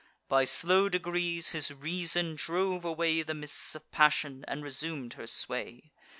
By slow degrees his reason drove away The mists of passion, and resum'd her sway.